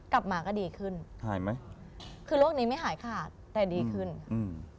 กลับมาก็ดีขึ้นคือโรคนี้ไม่หายขาดแต่ดีขึ้นค่ะหายไหม